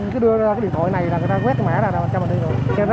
cứ đưa ra cái điện thoại này là người ta quét cái mã ra rồi cho mình đi rồi